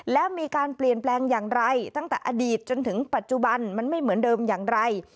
และมีการเปลี่ยนแปลงอย่างไรตั้งแต่อดีตจนถึงปัจจุบันมันไม่เหมือนเดิมอย่างไร